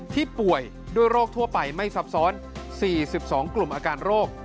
ป่วยด้วยโรคทั่วไปไม่ซับซ้อน๔๒กลุ่มอาการโรค